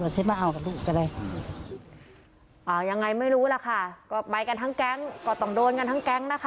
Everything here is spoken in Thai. ก็ต่อโดนกันทั้งแก๊งทั้งแก๊งก็ไปกันทั้งแก๊ง